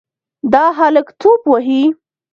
دا هلک توپ وهي.